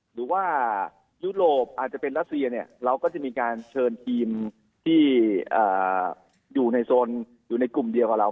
หรือว่ายุโรปอาจจะเป็นรัสเซียเนี่ยเราก็จะมีการเชิญทีมที่อยู่ในโซนอยู่ในกลุ่มเดียวกับเรา